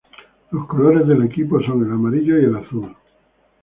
Los colores del equipo son el amarillo y el azul.